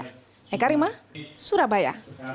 hei karima surabaya